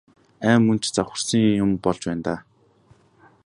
Ай мөн ч завхарсан юм болж байна даа.